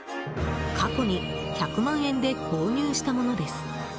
過去に１００万円で購入したものです。